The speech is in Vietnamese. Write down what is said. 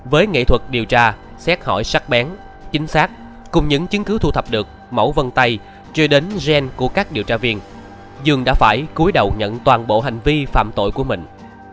với nghệ thuật điều tra xét hỏi sắc bén chính xác cùng những chứng cứ thu thập được mẫu vân tay chơi đến gen của các điều tra viên dương đã phải cuối đầu nhận toàn bộ hành vi phạm tội của mình